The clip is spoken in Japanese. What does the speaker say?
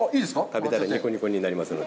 食べたらにこにこになりますので。